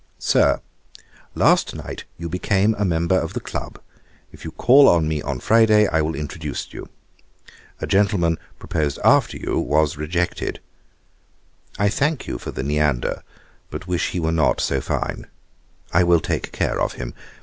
'Sir, 'Last night you became a member of the club; if you call on me on Friday, I will introduce you. A gentleman, proposed after you, was rejected. 'I thank you for Neander, but wish he were not so fine. I will take care of him.